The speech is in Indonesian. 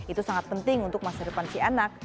itu sangat penting untuk masa depan si anak